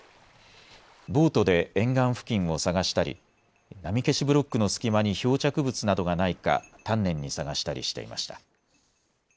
ボートで沿岸付近を探したり波消しブロックの隙間に漂着物などがないか丹念に探したりしていました。